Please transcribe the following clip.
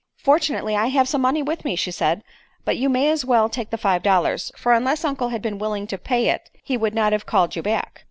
"Fortunately I have some money with me," she said; "but you may as well take the five dollars, for unless Uncle had been willing to pay it he would not have called you back."